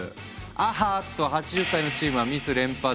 あっと８０歳のチームはミス連発！